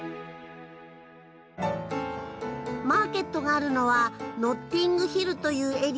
マーケットがあるのはノッティングヒルというエリア。